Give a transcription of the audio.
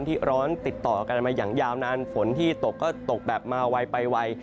ที่ร้อนติดต่อกันมาอย่างยาวนานฝนที่ตกก็ตกแบบมาไวไปไว